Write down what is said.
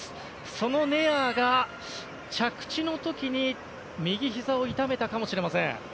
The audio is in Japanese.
そのネアーが着地の時に右ひざを痛めたかもしれません。